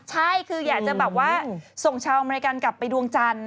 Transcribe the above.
ใช่คืออยากจะแบบว่าส่งชาวอเมริกันกลับไปดวงจันทร์